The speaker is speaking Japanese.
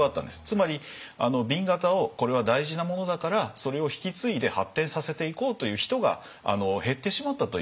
つまり紅型をこれは大事なものだからそれを引き継いで発展させていこうという人が減ってしまったという。